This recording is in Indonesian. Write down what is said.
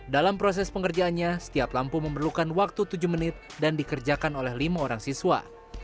dalam proses pengerjaannya setiap lampu memerlukan waktu tujuh menit dan dikerjakan oleh lima orang siswa